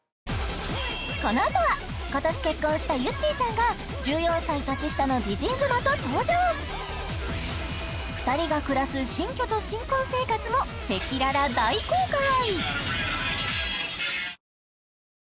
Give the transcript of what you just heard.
このあとは今年結婚したゆってぃさんが１４歳年下の美人妻と登場２人が暮らす新居と新婚生活も赤裸々大公開